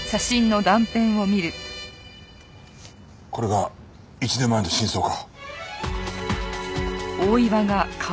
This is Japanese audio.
これが１年前の真相か。